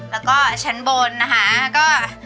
แล้วก็ชั้นบนนะคะก็